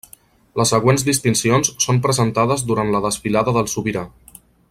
Les següents distincions són presentades durant la Desfilada del Sobirà.